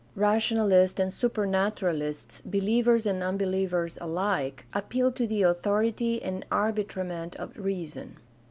Rationalists and Supernaturalists, believers and unbelievers alike, appealed to the authority and arbitrament of reason.